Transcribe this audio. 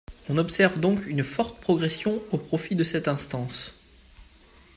On observe donc une forte progression au profit de cette instance.